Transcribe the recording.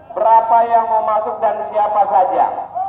berapa yang mau masuk dan siapa saja